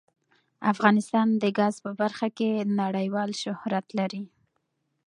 افغانستان د ګاز په برخه کې نړیوال شهرت لري.